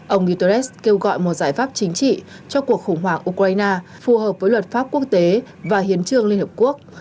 ông guterres kêu gọi một giải pháp chính trị cho cuộc khủng hoảng ukraine phù hợp với luật pháp quốc tế và hiến trương liên hợp quốc